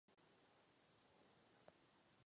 Jednou reprezentoval Slovensko.